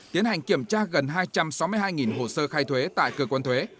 tiến hành kiểm tra gần hai trăm sáu mươi hai hồ sơ khai thuế tại cơ quan thuế